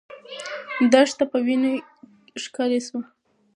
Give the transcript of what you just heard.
دښته په وینو ښکلې سوه.